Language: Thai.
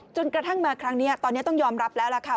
จนกระทั่งมาครั้งนี้ตอนนี้ต้องยอมรับแล้วล่ะค่ะ